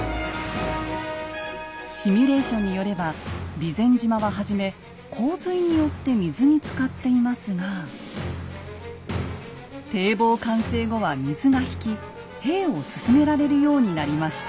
シミュレーションによれば備前島は初め洪水によって水につかっていますが堤防完成後は水が引き兵を進められるようになりました。